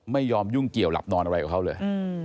ไม่ยอมยุ่งเกี่ยวหลับนอนอะไรกับเขาเลย